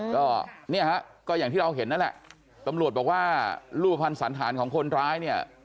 ก็เนี่ยฮะก็อย่างที่เราเห็นนั่นแหละตำรวจบอกว่ารูปภัณฑ์สันธารของคนร้ายเนี่ย